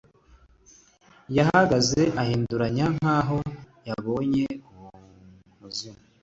Yahagaze ahinduranya nkaho yabonye umuzimu.